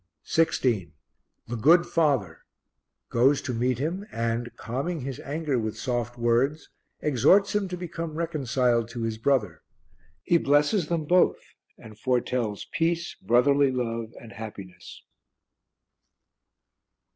16. The Good Father goes to meet him and, calming his anger with soft words, exhorts him to become reconciled to his brother. He blesses them both and foretells peace, brotherly love and happiness.